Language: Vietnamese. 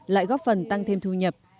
lại góp phần tăng thêm thu nhập